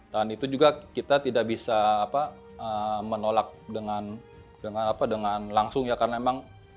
dan itu juga kita tidak bisa apa menolak dengan dengan apa dengan langsung ya karena memang